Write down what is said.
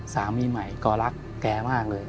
สามีใหม่ก็รักแกมากเลย